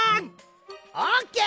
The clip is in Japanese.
オッケー！